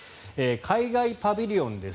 海外パビリオンです。